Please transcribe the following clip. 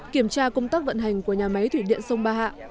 kiểm tra công tác vận hành của nhà máy thủy điện sông ba hạ